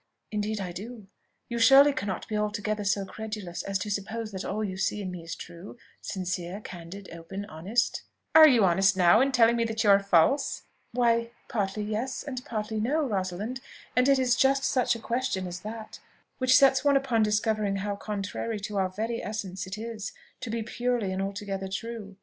"Indeed I do. You surely cannot be altogether so credulous as to suppose that all you see in me is true, sincere, candid, open, honest?" "Are you honest now in telling me that you are false?" "Why, partly yes, and partly no, Rosalind; and it is just such a question as that which sets one upon discovering how contrary to our very essence it is, to be purely and altogether true.